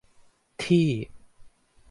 ที่